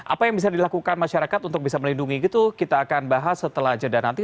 apa yang bisa dilakukan masyarakat untuk bisa melindungi gitu kita akan bahas setelah jeda nanti